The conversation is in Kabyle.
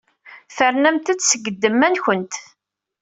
Ternamt-d seg ddemma-nwent.